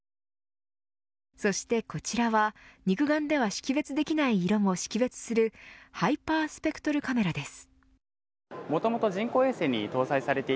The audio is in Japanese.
そしてこちらは、肉眼では識別できない色も識別するハイパースペクトルカメラです。